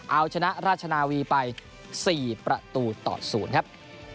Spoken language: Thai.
เอาชนะราชนาวีไป๔ประตูต่อ๐ครับ